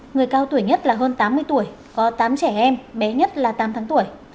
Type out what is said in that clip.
người cao tuổi nhất là hơn tám mươi tuổi có tám trẻ em bé nhất là tám tháng tuổi